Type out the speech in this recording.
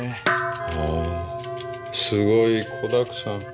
はあすごい子だくさん。